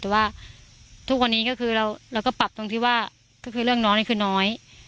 แต่ว่าทุกวันนี้ก็คือเราก็ปรับตรงที่ว่าก็คือเรื่องน้องนี่คือน้อย